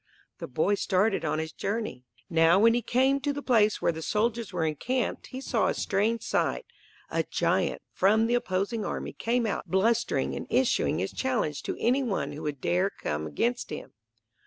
The boy started on his journey. Now when he came to the place where the soldiers were encamped he saw a strange sight. A giant, from the opposing army, came out, blustering and issuing his challenge to any one who would dare come against him.